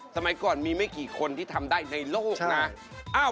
สมัยก่อนมีไม่กี่คนที่ทำได้ในโลกนะ